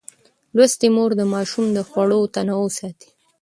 لوستې مور د ماشوم د خوړو تنوع ساتي.